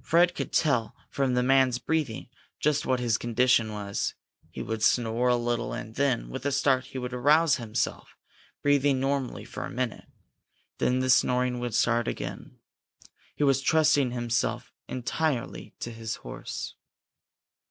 Fred could tell, from the man's breathing, just what his condition was. He would snore a little and then, with a start, he would arouse himself, breathing normally for a minute. Then the snoring would start again. He was trusting himself entirely to his horse.